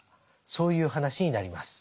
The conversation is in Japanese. そういう話になります。